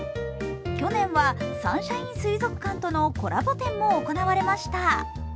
去年はサンシャイン水族館とのコラボ展も行われました。